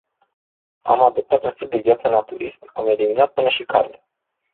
Am adoptat un stil de viață naturist, am eliminat până și carnea.